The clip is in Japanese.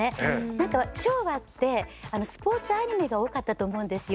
何か昭和ってスポーツアニメが多かったと思うんですよ。